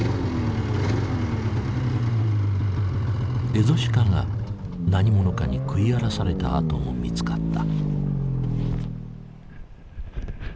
エゾシカが何者かに食い荒らされた跡も見つかった。